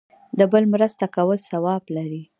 د بل مرسته کول ثواب لري